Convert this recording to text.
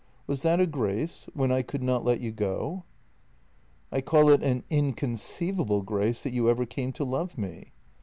Was that a grace? When I could not let you go? "" I call it an inconceivable grace that you ever came to love me."